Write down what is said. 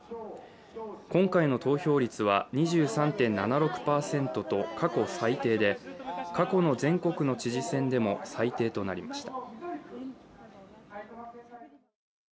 今回の投票率は２３．７６％と過去最低で、過去の全国の知事選でも最低となりました。